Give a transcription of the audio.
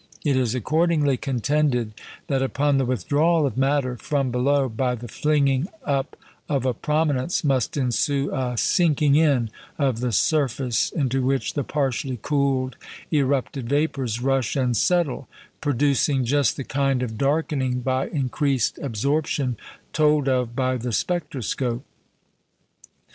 It is accordingly contended that upon the withdrawal of matter from below by the flinging up of a prominence must ensue a sinking in of the surface, into which the partially cooled erupted vapours rush and settle, producing just the kind of darkening by increased absorption told of by the spectroscope.